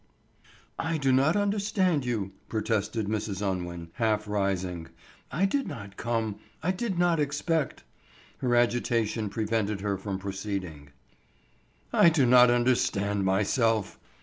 "I do not understand you," protested Mrs. Unwin, half rising. "I did not come—I did not expect—" her agitation prevented her from proceeding. "I do not understand myself!"